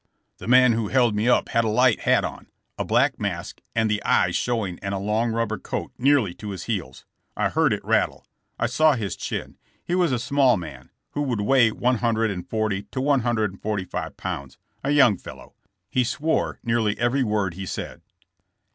*' The man who held me up had a light hat on, a black mask with the eyes showing and a long rubber coat nearly to his heels. I heard it rattle. I saw his chin. He was a small man, who would weigh one hundred and forty or one hundred and forty five pounds, a young fellow. He swore nearly every word he said.